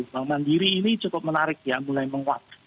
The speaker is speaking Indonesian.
bank mandiri ini cukup menarik ya mulai menguat